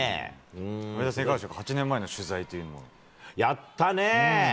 上田さん、いかがでしょう、８年前の取材というのは。やったねー。